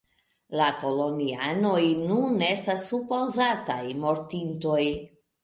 La kolonianoj nun estas supozataj mortintoj.